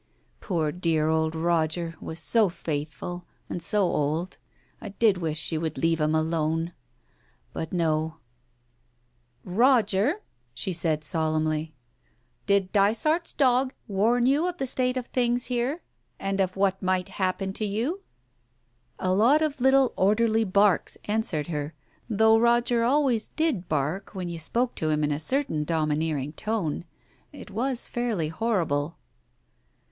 Poor dear old Roger was so faithful and so old, I did wish she would leave him alone. But no — "Roger," she said solemnly, "did Dysart's dog warn you of the state of things here, and of what might happen to you ?" A lot of little orderly barks answered her. Though Roger always did bark when you spoke to him in a certain domineering tone, it was fairly horrible.